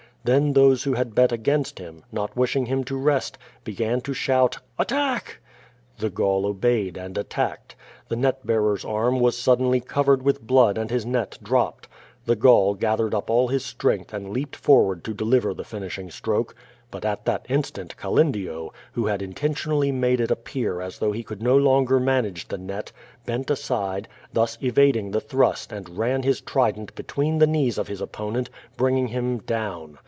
Then those who had bet against him, not wishing him to rest, began to shout, "at tack!" The Gaul obeyed and attacked. The net bearer's arm was suddenly covered with blood and his net dropped. Tlie Gaul gathered up all his strength and leaped forward to deliver the finishing stroke. But at that instant, Calendio, who had intentionally made it appear as though he could no longer manage the net, bent aside, thus evading the thrust and ran his trident between the knees of his opponent, bring ing him down.